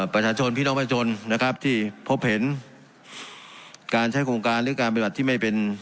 พี่น้องประชาชนนะครับที่พบเห็นการใช้โครงการหรือการปฏิบัติที่ไม่เป็น